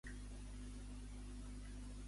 Em pots reproduir l'audiollibre "Aloma"?